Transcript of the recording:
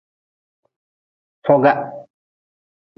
Foga.